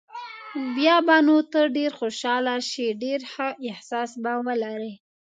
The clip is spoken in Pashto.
بیا به نو ته ډېر خوشاله شې، ډېر ښه احساس به ولرې.